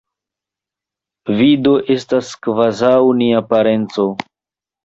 Vi do estas kvazaŭ nia parenco.